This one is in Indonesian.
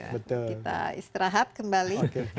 kita istirahat kembali